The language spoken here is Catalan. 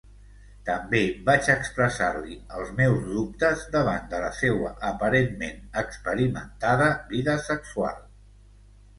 També vaig expressar-li els meus dubtes davant de la seua aparentment experimentada vida sexual.